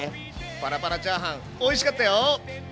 パラパラチャーハンおいしかったよ！